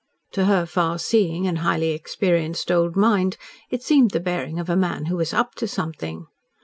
To her far seeing and highly experienced old mind it seemed the bearing of a man who was "up to something."